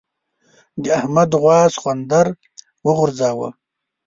د احمد غوا سخوندر وغورځاوو.